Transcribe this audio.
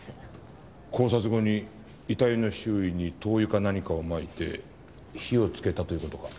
絞殺後に遺体の周囲に灯油か何かをまいて火をつけたという事か？